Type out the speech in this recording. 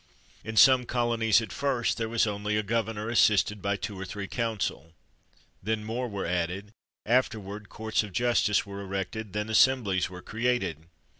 In some colonies at first there was only a gover nor assisted by two or three counsel ; then more were added; afterward courts of justice were erected; then assemblies were created.